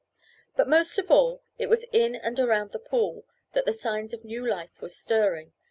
But, most of all, it was in and around the pool that the signs of new life were stirring.